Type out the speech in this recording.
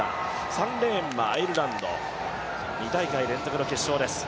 ３レーンはアイルランド、２大会連続の決勝です。